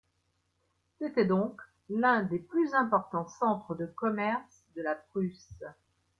C'était donc l'un des plus importants centres de commerce de la Prusse.